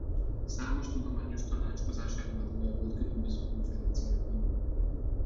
Számos tudományos tanácskozás előadója volt különböző konferenciákon.